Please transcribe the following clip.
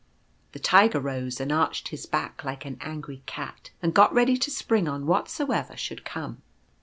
The Tiger rose and arched his back like an angry cat, and got ready to spring on whatsoever should come.